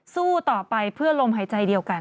สู้ต่อไปเพื่อลมหายใจเดียวกัน